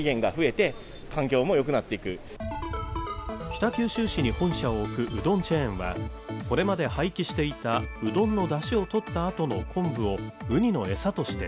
北九州市に本社を置くうどんチェーンはこれまで廃棄していたうどんのダシをとったあとの昆布をウニの餌として